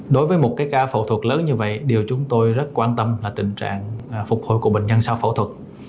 đối với một ca phẫu thuật lớn như vậy điều chúng tôi rất quan tâm là tình trạng phục hồi của bệnh nhân sau phẫu thuật